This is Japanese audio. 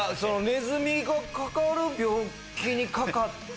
ネズミがかかる病気にかかった。